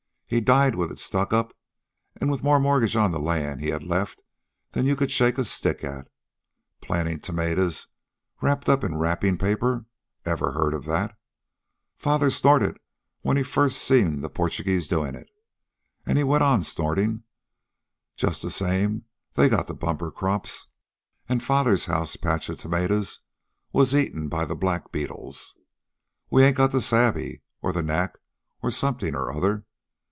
He died with it stuck up, an' with more mortgages on the land he had left than you could shake a stick at. Plantin' tomatoes wrapped up in wrappin' paper ever heard of that? Father snorted when he first seen the Porchugeeze doin' it. An' he went on snortin'. Just the same they got bumper crops, an' father's house patch of tomatoes was eaten by the black beetles. We ain't got the sabe, or the knack, or something or other.